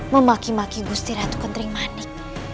memaki maki gusti ratu kenting manik